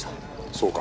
そうか。